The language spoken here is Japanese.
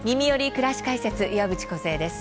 くらし解説」岩渕梢です。